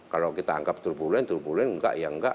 kalau kita anggap turbulent turbulent enggak ya enggak